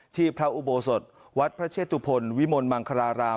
พระอุโบสถวัดพระเชตุพลวิมลมังคลาราม